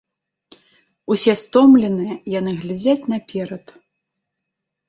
Усе стомленыя, яны глядзяць наперад.